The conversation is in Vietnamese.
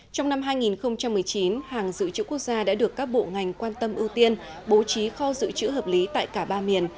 trong năm hai nghìn một mươi chín hàng dự trữ quốc gia đã được các bộ ngành quan tâm ưu tiên bố trí kho dự trữ hợp lý tại cả ba miền